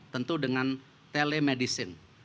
tentu dengan telemedicine